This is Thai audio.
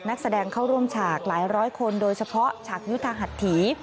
นักแสดงเข้าร่วมฉากหลายร้อยคนโดยเฉพาะฉากยุทธหัสถี